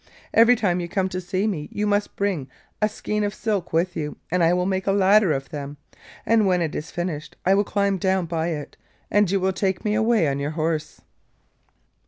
Every time you come to see me you must bring a skein of silk with you, and I will make a ladder of them, and when it is finished I will climb down by it, and you will take me away on your horse.